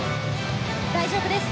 大丈夫です。